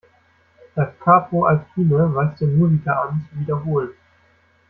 "Da Capo al fine" weist den Musiker an, zu wiederholen.